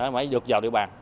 phải được vào địa bàn